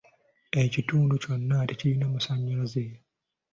Ekitundu kyonna tekirina masannyalaze.